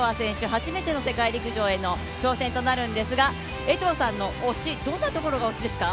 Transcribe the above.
初めての世界陸上の挑戦となるんですが江藤さんの推し、どんなところが推しですか？